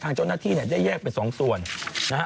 เจ้าหน้าที่เนี่ยได้แยกเป็นสองส่วนนะฮะ